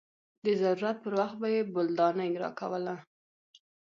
د ضرورت پر وخت به يې بولدانۍ راکوله.